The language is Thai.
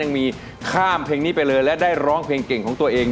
ยังมีข้ามเพลงนี้ไปเลยและได้ร้องเพลงเก่งของตัวเอง